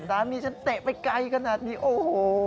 สามีฉันเตะไปไกลขนาดนี้โอ้โห